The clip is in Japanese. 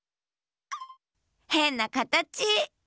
へんなかたち！